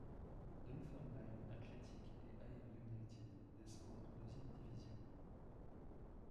Dunfermline Athletic et Ayr United descendent en deuxième division.